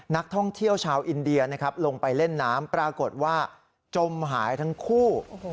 นักท่องเที่ยวชาวอินเดียนะครับลงไปเล่นน้ำปรากฏว่าจมหายทั้งคู่